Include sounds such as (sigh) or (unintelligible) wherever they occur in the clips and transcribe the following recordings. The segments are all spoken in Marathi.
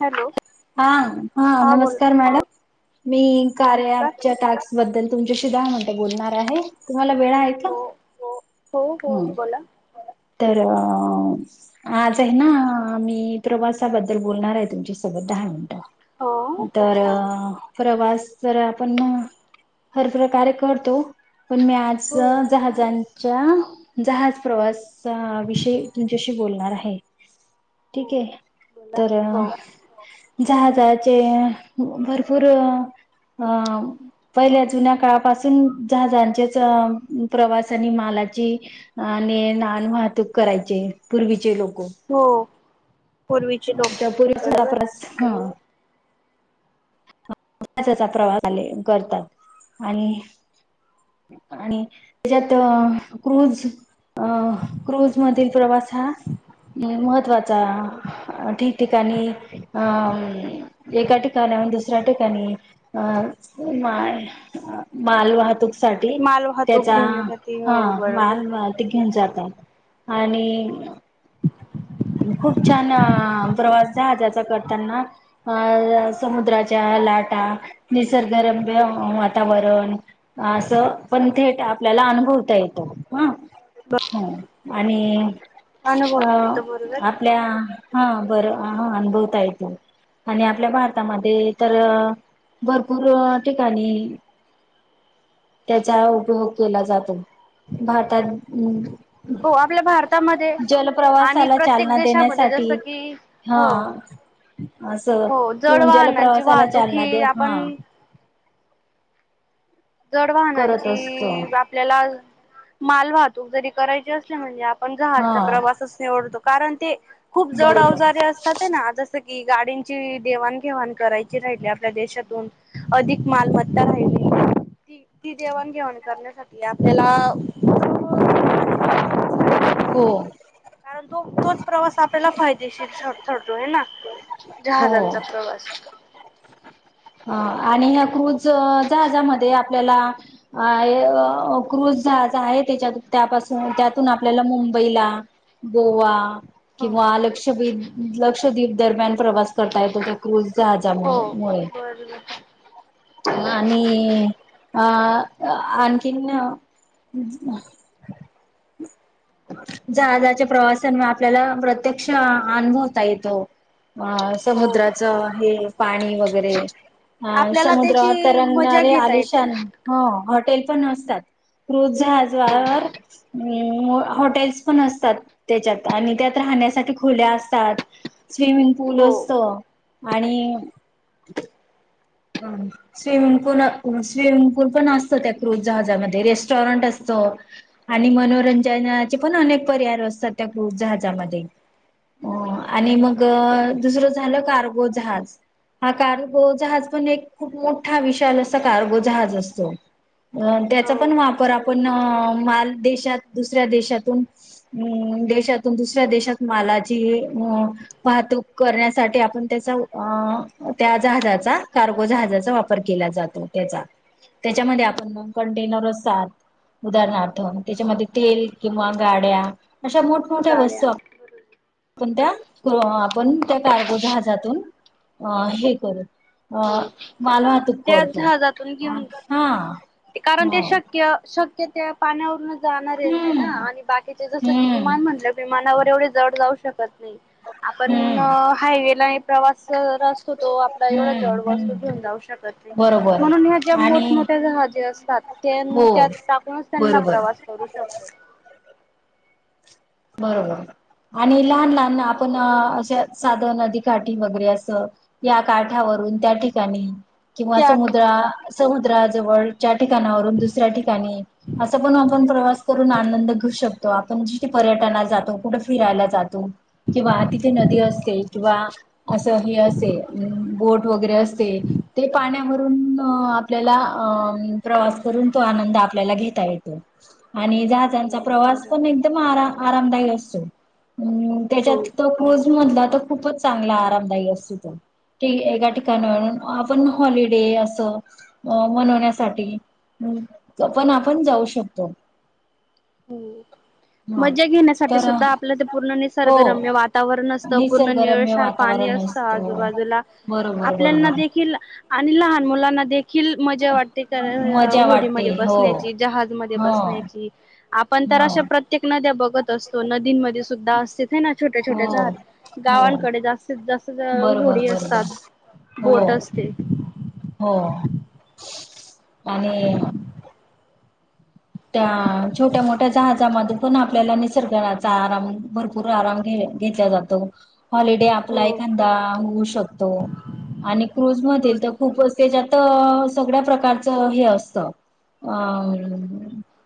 हॅलो हा हा, हां बोला नमस्कार मॅडम मी कार्या नमस्कार अँप चा टास्क. बद्दल तुमच्याशी दहा मिनिट बोलणार आहे तुम्हाला वेळा आहे का. हो हो हो, हम्म बोला. तर आज आहे ना मी प्रवासाबद्दल. बोलणार आहे तुमच्या सोबत दहा मिनिटं हो तर. चालेल प्रवास जर आपण ना हर प्रकारे करतो. पण मी आज हो जहाजान. च्या जहाज प्रवासा विषयी तुमच्याशी बोलणार आहे. हो ठीक आहे. बोला तर, हो जहाजहाचे भरपूर हा. पहिल्या जुन्या काळापासून, जहाजांचेच प्रवास आणि मालाची आणि लहान वाहतूक करायचे, पूर्वीचे लोक. हो, पूर्वीचे लोक पूर्वीचा बरोबर. प्रवास हा. त्यांचा प्रवास खाली करतात, आणि आणि त्याच्यात क्रुज अं, क्रुझ मधील प्रवास हा महत्त्वाचा ठिक-ठिकाणी अ, एका ठिका एका ठिकाणहुन दुसऱ्या ठिकाणी, माल, माल वाहतूक साठी, माल वाहतूक त्याचा घेण्यासाठी हा हो बरोबर माल वाहत घेऊन जातात. आणि आणि खूप छान अ, प्रवास जहाजाचा करताना. फार समुद्राच्या लाटा, निसर्गरम्य वातावरण. असं, पण थेट आपल्याला अनुभवता येत हा. बर ह आणि अ, येतो बरोबर आपल्या हा, बर आ, हा अनुभवता येत. आणि आपल्या भारतामध्ये तर, भरपूर ठिकाणी. त्याचा उपयोग केला जातो. भारतात हो आपल्या भारतामध्ये आणि जलप्रवासाला प्रत्येक चालना देशामध्ये देण्यासाठी जसं की हा. हो असं, हो तू जड वाहनांची जलप्रवासाला वाहतूक चालणा ही दे हा. आपण जड करत असतो वाहनांची वाह आपल्याला मालवाहतूक जरी करायची असली म्हणजे आपण हा जहाजचा प्रवासच निवडतो. कारण ते, खूप जड बरोबर अवजारे अस असते ना, जसं की गाडींची देवाण-घेवाण करायची राहिली आपल्या देशातून अधिक मालमत्ता राहिली ही, ती देवण-घेवाण करण्यासाठी आपल्याला हो. कारण तो तोच प्रवास आपल्याला फायदेशीर ठरतो आहे ना. हो जहाजांचा प्रवास. अ, आणि ह्या क्रुज जहाजामध्ये आपल्याला आहे अं, क्रुझ जहाज आहे त्याच्यात, त्यापासून त्यातून आपल्याला मुंबईला गोवा हो किंवा लक्षबीच, लक्षद्वीप दरम्यान प्रवास करता येतो. त्या क्रुज जहाजामूळ, हो मुळे (inaudible) आणि आ, आणखीन जहाजाच्या प्रवाशांना आपल्याला प्रत्यक्ष अनुभवता येतो. अ, हो समुद्राच हे पाणी वगैरे. अ, आपल्याला समुद्रावर त्याची मजा तरंगणारे घेता येते आलिशान हो, हॉटेल पण असतात. क्रुझ जहजावर हो मूळ हॉटेल्स पण असतात त्येच्यात, आणि त्यात राहण्यासाठी खुल्या असतात. स्विमिंग पूल हो असत, आणि हम्. स्विमिंग पूल स्विमिंग पूल पण असत त्या क्रूझ जहाजामध्ये रेस्टॉरंट असतं. आणि मनोरंजनाचे पण अनेक पर्याय असतात त्या क्रुज जहाजामध्ये. आ -आणि मग दुसरं झालं कार्गो जहाज. हा कार्गो जहाज पण एक खूप मोठा विशाल असा कार्गो जहाज असतो. अ त्याचा पण वापर आपण माल देशात दुसऱ्या देशातून अ देशातून दुसऱ्या देशात मालाची अ वाहतूक करण्यासाठी आपण त्याचा अ त्या जहाजाचा कार्गो जहाजाचा वापर केला जातो त्याचा त्याच्यामध्ये बरोबर आपण कंटेनर असतात. उदारणार्थ हो त्याच्यामध्ये तेल किंवा गाड्या अशा मोठमोठ्या गाड्या वस्तू बरोबर आपण त्या आपण त्या कार्गो जहाजातून अ हे करू अ हो मालहतूक त्याच करतो. जहाजातून घेऊन हा कारण हो ते शक्य शक्य त्या पाण्यावरूनच जाणारे ना हम्म आणि बाकीचे जस की हम्म विमान म्हंनलं विमानावर एवढे जड जाऊ शकत नाय. आपण हम्म हायवेला हे प्रवास नसतो तो. एवढ हम्म जड वस्तू हम्म घेऊन जाऊ शकत नाय. बरोबर म्हणून ह्या ज्या आणि मोठमोठ्या जहाज ते असतात त्यां हो त्यात टाकूनच त्यांना बरोबर प्रवास करू शकतो. बरोबर आणि लहान लहान आपण अशा साध नदी काठी वगैरे असं या काठ्यावरून त्या ठिकाणी किंवा त्या समुद्रा ठिकाणी समुद्रा जवळच्या ठिकाणावरून दुसऱ्या ठिकाणी असं पण आपण प्रवास करून आनंद घेऊ शकतो. आपण जि पर्यटनाला जातो कुठ फिरायला जातो किंवा तिथे नदी असते किंवा असं हे असे बोट वगैरे असते ते पाण्यावरून आपल्याला अ प्रवास करून तो आनंद आपल्याला घेता येतो. आणि जहाजांचा हो प्रवास बरोबर पण एकदम आरा आरामदायी असतो. हो त्याच्यात तो क्रूज मधला तर खूपच चांगला आरामदायी असतो तो. ते एका ठिकाणावर आपण हॉलिडे असं अ मनवण्यासाठी पण आपण जाऊ शकतो. हो. हा मजा घेण्यासाठी तर सुद्धा आपलं ते पूर्ण हो निसर्गरम वातावरण असतं पूर्ण निसर्गरम्य निरळसार पाणी वातावरण अस त असतं. आजूबाजूला बरोबर आपल्याना बरोबर देखील आणि लहान मुलांना देखी खिल मजा वाटते का मजा वाटते होडीमध्ये हो बसण्याची जहाज मध्ये हो बसण्याची. पण तर हो अशा प्रत्येक नद्या बघत असतो नदींमध्ये सुद्धा असतीत हाय ना छोट्या हो छोट्या जहाज हो गावांकडे जास्तीत जास्त बरोबर होडी असतात बरोबर हो बोट असते. हो आणि त्या छोट्या मोठ्या जहाजामध्ये पण आपल्याला निसर्गाचा आराम भरपूर आराम घे -घेतला जात. तो. हॉलिडे आपला हो एखांदा होऊ शकतो आणि क्रुझमधील तर बरोबर खूपच त्याज्यात सगळ्या प्रकारचं हे असत अ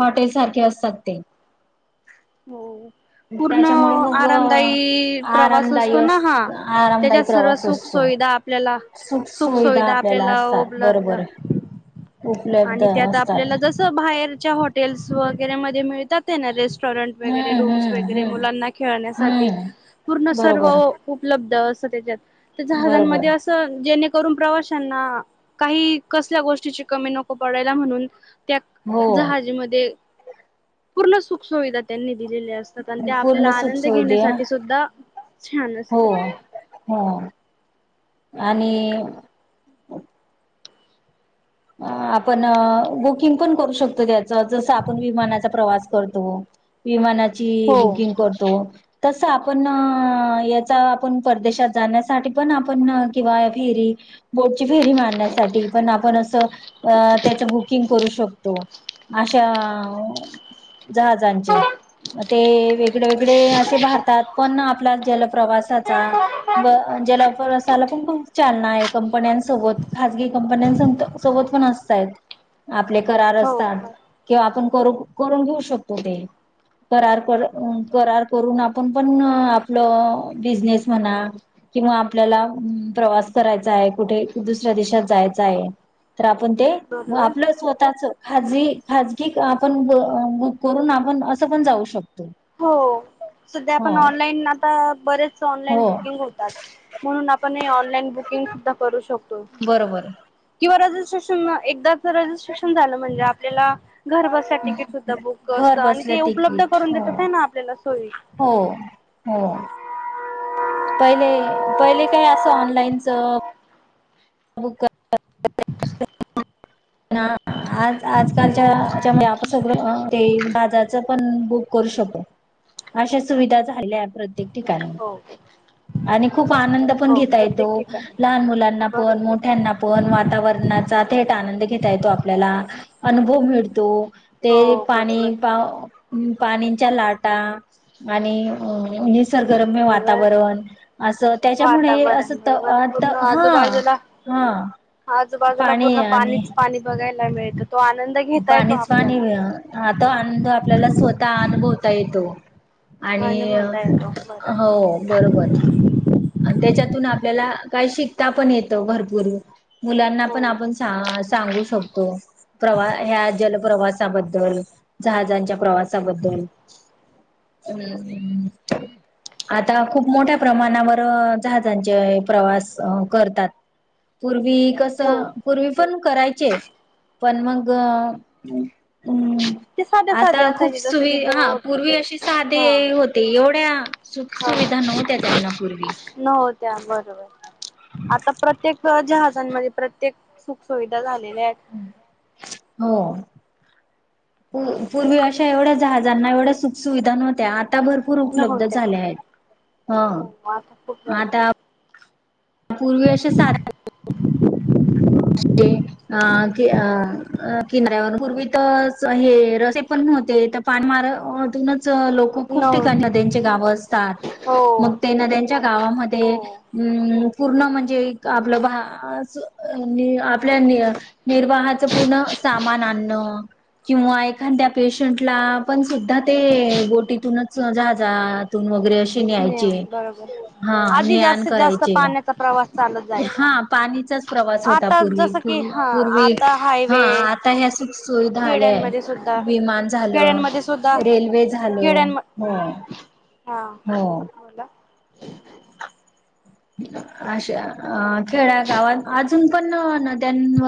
हॉटेल सारखे असतात ते. हो. पूर्ण त्याच्यामुळे मग आरामदायी प्रवास आरामदायी असतो ना अस हा आरामदायी त्याच्यात सर्व प्रवास सुख असतो सुविधा आपल्याला सुख सुुविधा आपल्याला उपलब्ध उपलब्ध आणि त्यात आपल्याला असतात. बाहेरच्या हॉटेल्स वगैरे मध्ये मिळतात. रेस्टॉरंट वगैरें हम्म रूंम्स हम्म वगैरें हम्म मुलांना खेळण्यांसाठी पूर्ण हम्म सर्व बरोबर उपल्ब्ध असं त्यांच्यात जहाज बरोबर मध्यें असं जेनं तरुंण प्रवाशांना कांहीं कसल्यां गोष्टीची कमी नको पडांयला म्हणूंन त्यां हो जहांजीमध्यें पूर्ण सुंख सुुविधा त्यांनी दिलेली असते आणि ते आपल्यांला पूर्ण आनंद सुखसोय द्या घेण्यांसाठी सुद्धां छान हो असतांत ते हो आणि आपणं बुकिंग पणं करूं शकतो त्यांचं जसं आपणं विमानांचा प्रवांस करतो विमानांची हो. बुकिंग करतो तसं आपणं यांचा आपणं परदेशांत जाण्यांसाठी पणं आपणं किंवा फिरी बोटची फेरी मारण्यांसाठी पणं आपणं असं त्यांची बुकिंग करूं शकतो अश्या जहांजांचे ते वेग इकडे इकडे असे भारतांत पणं आपला जलप्रवांसाचा असांयला पणं खूंप चालंना आहे कंपन्यांसोबत खांजगी कंपन्यां संगत सोबतं पणं असतांय आपले करांर पणं हो असतांत बर किंवा आपणं करूं करूंन घेऊं शकतो ते करांर करूंन आपणं पणं आपलं बिझनेस म्हणां किंवा आपल्यांला प्रवांस करांयचा आहे कुंठे दुसऱ्यां देशांत जायचं आहे तरं आपणं ते बरोबर आपलं स्वंतःचं खांजगी खांजगी आपणं बुंक करूंन आपणं असं पणं जाऊं शकतो हो संध्या हो आपणं ऑनलाईन आंता बरेच ऑनलाईन हो बुकिंग होतो म्हणूंन आपणं हे ऑनलाईन बुकिंग सुद्धां करूं शकतो बरोबर किंवा रजिस्ट्रेशन एकदाचं रजिस्ट्रेशन झालं म्हणजे आपल्यांला घरं बसल्यां तिकीट सुद्धां बुकिंग घर असतं आणि बसल्या ते उपल्ब्ध तिकीट करूंन हो देतांत आहे नां आपल्यांला सोयी हो हो पहिले पहिले कायं असं ऑनलाईनचं बुंक करतां नां आंज आंजकांलच्यामुळे आपणं सगळं ते बाजांर चं पणं बुंक करूं शकतो अश्या सुविधा झाल्या प्रत्येक ठिकाणी हो आणि खूंप आनंद पणं हो घेता येतो प्रत्येक ठिकाणी लहांन मुलांना पणं बरोबर मोठ्यांना पणं आपणं वातांवरणांचा थेटं आनंद घेतां येतो आपल्यांला अनुभव मिळतो ते हो बरोबर पाणी पा पाणीच्यां लांटा आणि निसर्गरम्य बरोबर वातांवरणं असे त्यांच त्यांच्यामुळे असं वातावरण बरोबर ते हां आजूंबाजूंला पूर्ण पाणीच पाणी बघांयला मिळतं तो आनंद घेता येतो पाणीच पाणी आपल्याला हां तो अनुभव आपल्यांला स्वंतः अनुभवता येतो आणि अनुभवता येतो अं बरोबर हो बरोबर आणि त्यांच्यातूंन आपल्यांला कांहीं शिकतां पणं येतो भरंपूर मुलांना हो पणं आपणं सांगू शकतो प्रवा ह्यां जलप्रवास त्यां बद्दल जहाजांच्या प्रवासांबद्दल आंता खूंप मोठ्यां प्रमाणांवर जहाजां प्रवांस करतांत पूर्वी हो कसं पूर्वी पणं करांयचे पणं मंग ते साध्या आंता साध्या खूंप असायचे जसं सुवि की हां बोट पूर्वी अशी सांधे हा होते एवढ्यां सुंखसुविधा नव्हत्यां त्यांनां पूर्वी नंव्ह होत्यां बरोबर आता प्रत्येक जहाजांमध्ये, प्रत्येक सुखसुविधा झालेल्या आहेत. हो. पूर्वी अशा एवढ्या जहाजांना एवढ्या सुख- सुुविधा नव्हत्या, आता भर भरपूर उपलब्ध नव्हत्या झाले आहेत. ह हो आता खूप आता झाले पूर्वी आशा साध्या (unintelligible) अ, कि, अ, किनाऱ्यावर. पूर्वी तर हे रस्ते पण नव्हते. तप पानमार मधूनच लोक खूप ठिकाणी नव्हते नद्यांची गावं असतात. हो मग ते नद्या त्या गावामध्ये हो हम्म, पूर्ण म्हणजे आपलं असं आपल्या, निर्वाहाचं पूर्ण सामान आणणं. किंवा एखाद्या पेशंटला, पण सुद्धा ते बोटीतूनच जहाजा तून वगैरे अशी तेन यायचे, नेम बरोबर हा ने आधी -आण जास्तीत जास्त करायचे पाण्याचा प्रवास चालत हा जायचा. पाणीचाच प्रवास होता आता पूर्वी, जसं की पूर्वी, हा पूर्वी आता हा हायवे आता ह्यसनी सुविधा आल्याय खेड्यांमध्ये सुद्धा विमान झालं, खेड्यांमध्ये सुद्धा रेल्वे झालं खेड्यांम हो. हा हो बोला. अशा, अ खेड्या गावात अजून पण त्यां न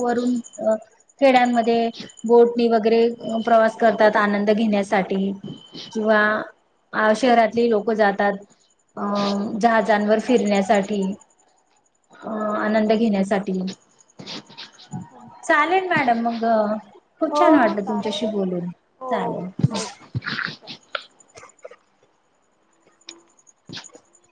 वरून, अ खेड्यांमध्ये बोटणी वगैरे प्रवास करतात. आनंद घेण्यासाठी किंवा आ, शहरातली लोक जातात. अ जहाजांवर फिरण्यासाठी, अ आनंद घेण्यासाठी. चालेल मॅडम मग, खूप छान हो वाटलं चालेल तुमच्याशी ठीक आहे. बोलून हो चालेल. मला (unintelligible)